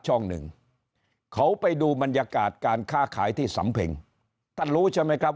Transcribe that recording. หนึ่งเขาไปดูบรรยากาศการค้าขายที่สำเพ็งท่านรู้ใช่ไหมครับ